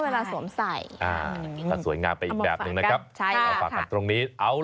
เวลาสวมใส่อ่าแต่สวยงามไปอีกแบบหนึ่งนะครับใช่เอามาฝากกันตรงนี้